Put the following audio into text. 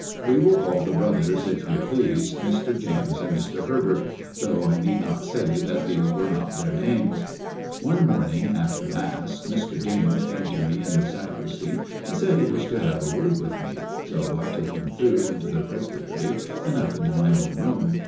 We will call the brothers, if you please, Mr. James and Mr. Herbert, though I need not say that these were not their names. " One morning after mass Mr. James came to me in the sacristy and said he wished to have a word with me, so I took him through into the presbytery and up into my own room.